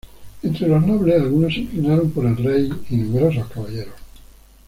Entre los nobles, algunos se inclinaron por el rey, y numerosos caballeros.